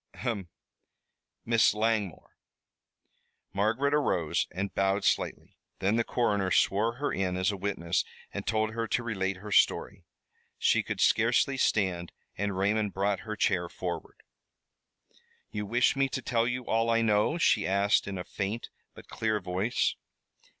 ahem! Miss Langmore!" Margaret arose and bowed slightly. Then the coroner swore her in as a witness and told her to relate her story. She could scarcely stand and Raymond brought her chair forward. "You wish me to tell all I know?" she asked, in a faint but clear voice.